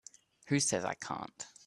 Who says I can't?